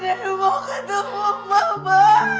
nenek mau ketemu mama